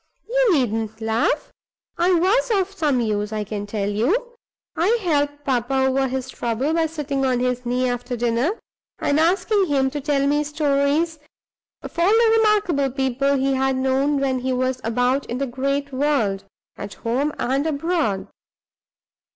You needn't laugh; I was of some use, I can tell you. I helped papa over his trouble, by sitting on his knee after dinner, and asking him to tell me stories of all the remarkable people he had known when he was about in the great world, at home and abroad.